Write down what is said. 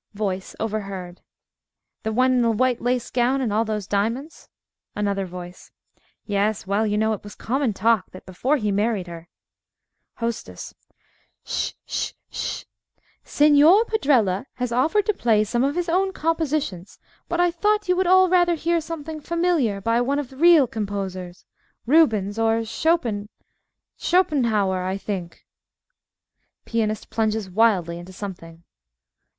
VOICE (overheard) The one in the white lace gown and all those diamonds? ANOTHER VOICE Yes. Well, you know it was common talk that before he married her HOSTESS 'Sh, 'sh, 'sh! Signor Padrella has offered to play some of his own compositions, but I thought you would all rather hear something familiar by one of the real composers Rubens or Chopin Chopinhauer, I think (Pianist _plunges wildly into something.